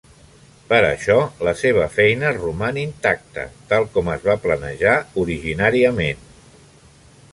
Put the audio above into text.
Per això, la seva feina roman intacta tal com es va planejar originàriament.